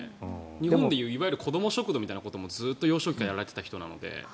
日本でいう子ども食堂みたいなことも幼少期からずっとやられていた方なので。